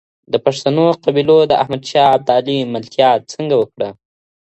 د پښتنو قبیلو د احمد شاه ابدالي ملتیا څنګه وکړه؟